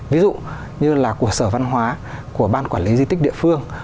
ví dụ như là của sở văn hóa của ban quản lý di tích địa phương